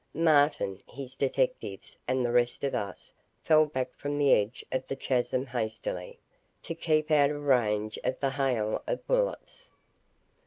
Martin, his detectives, and the rest of us fell back from the edge of the chasm hastily, to keep out of range of the hail of bullets.